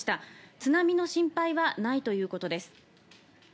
津波の心配はないということです。